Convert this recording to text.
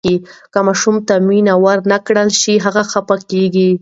که ماشوم ته مینه ورنکړل شي، هغه خفه کیږي.